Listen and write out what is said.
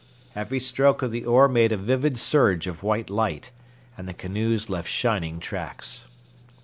Every stroke of the oar made a vivid surge of white light, and the canoes left shining tracks.